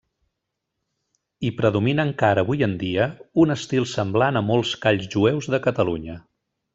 Hi predomina encara avui en dia un estil semblant a molts calls jueus de Catalunya.